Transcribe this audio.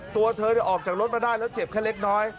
ตัวเธอออกจากรถมาได้แล้วเจ็บแค่เล็กน้อย